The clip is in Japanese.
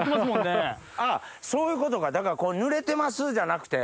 あっそういうことかだから「ぬれてます」じゃなくて。